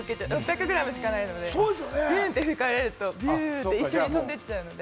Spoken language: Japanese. ６００グラムしかないので、ヒューって吹かれるとビュって、一緒に飛んでっちゃうので。